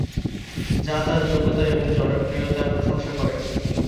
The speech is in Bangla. যা তার যোগ্যতা এবং জনপ্রিয়তার প্রশংসা করে।